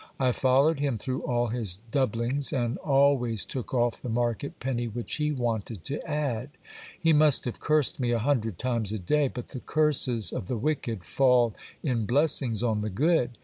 I followed him through all his doublings, and always took off the market penny which he wanted to add. He must have cursed me a hun dred times a day ; but the curses of the wicked fall in blessings on the good.